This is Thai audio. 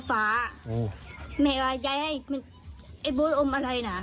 แม่เอาใหญ่ให้ไอ้โบ๊ทอมอะไรนะ